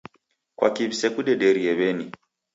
Kwaki w'isekudederie w'eni?